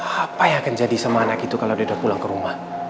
apa yang akan jadi sama anak itu kalau dia udah pulang ke rumah